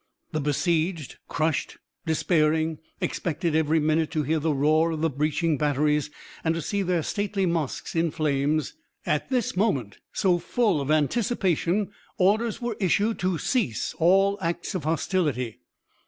The besieged, crushed, despairing, expected every minute to hear the roar of the breaching batteries, and to see their stately mosques in flames. At this moment, so full of anticipation, orders were issued to cease all acts of hostility.